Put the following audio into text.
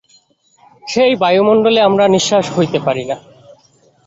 সেই বায়ুমণ্ডলে আমরা নিঃশ্বাস লইতে পারি না।